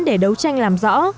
để đấu tranh làm rõ